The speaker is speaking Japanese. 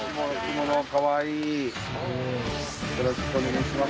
よろしくお願いします